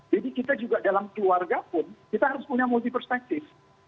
jadi kita juga dalam keluarga pun kita harus punya multi perspektif